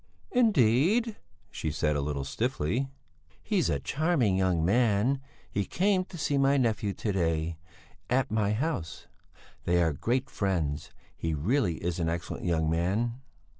"Indeed?" she said, a little stiffly. "He's a charming young man. He came to see my nephew to day, at my house; they are great friends! He really is an excellent young man!"